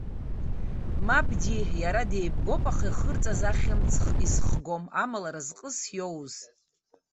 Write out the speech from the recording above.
Мап ди, иара деибгоуп, аха ихырҵаз ахьымӡӷ изхгом, амала разҟыс иоуз.